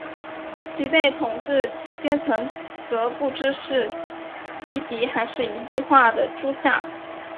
其被统治阶层则不知是夷狄还是夷狄化的诸夏。